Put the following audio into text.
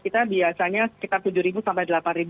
kita biasanya sekitar tujuh sampai